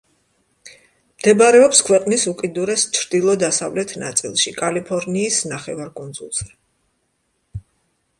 მდებარეობს ქვეყნის უკიდურეს ჩრდილო-დასავლეთ ნაწილში, კალიფორნიის ნახევარკუნძულზე.